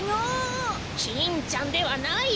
キンちゃんではない。